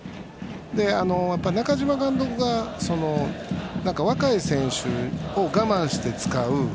中嶋監督が若い選手を我慢して使う。